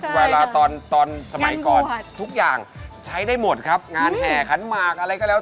เวลาตอนสมัยก่อนทุกอย่างใช้ได้หมดครับงานแห่ขันหมากอะไรก็แล้ว